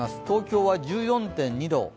東京は１４．２度。